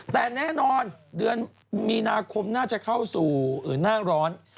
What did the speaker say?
แต่แน่นอนเดือนมีนาคมน่าจะเข้าสู่หน้าร้อน